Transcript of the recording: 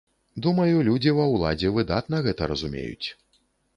Думаю, людзі ва ўладзе выдатна гэта разумеюць.